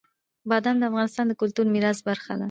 بادام د افغانستان د کلتوري میراث برخه ده.